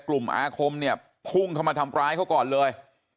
อาคมเนี่ยพุ่งเข้ามาทำร้ายเขาก่อนเลย